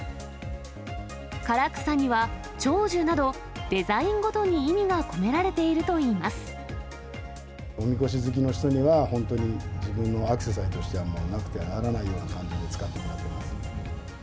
唐草には長寿など、デザインごとに意味が込められているといいまおみこし好きの人には、本当に自分のアクセサリーとして、なくてはならないような感じで使ってもらってます。